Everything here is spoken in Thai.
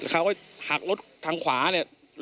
เขาก็หักรถทางขวาเนี่ย